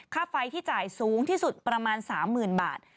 ค่าไฟที่จ่ายสูงที่สุดประมาณ๓๐๐๐บาท